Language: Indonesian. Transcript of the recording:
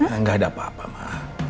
enggak ada apa apa mah